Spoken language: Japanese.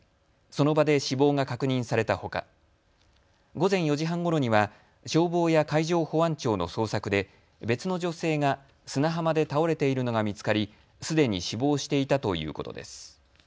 その場で死亡が確認されたほか午前４時半ごろには消防や海上保安庁の捜索で別の女性が砂浜で倒れているのが見つかり、すでに死亡していたということです。